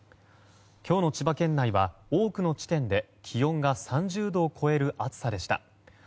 今日の千葉県内は多くの地点で気温が３０度を超える暑さでした。